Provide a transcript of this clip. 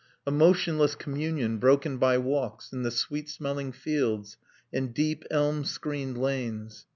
A motionless communion broken by walks in the sweet smelling fields and deep, elm screened lanes.